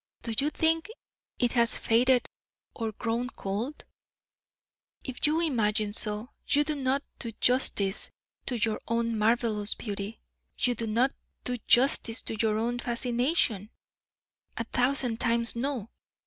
Do you think it has faded or grown cold. If you imagine so, you do no justice to your own marvelous beauty; you do no justice to your own fascination; a thousand times no!